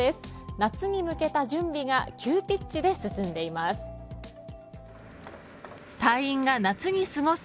夏に向けた準備が急ピッチで進んでいます。